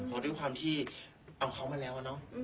เพราะด้วยความที่เอาเขามาแล้วเนอะ